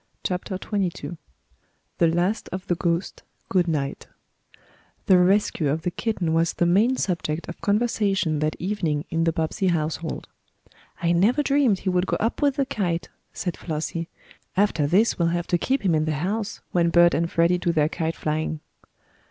CHAPTER XXII THE LAST OF THE GHOST GOOD NIGHT The rescue of the kitten was the main subject of conversation that evening in the Bobbsey household. "I never dreamed he would go up with the kite," said Flossie. "After this we'll have to keep him in the house when Bert and Freddie do their kite flying."